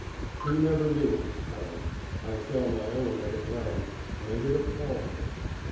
He never knew of his peril. I saw my own at a glance, and it appalled me.